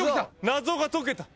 謎が解けた。